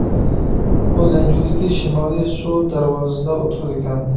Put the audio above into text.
ئۇ لەنجۇدىكى شىمالىي سۇ دەرۋازىدا تۇرىدىكەن.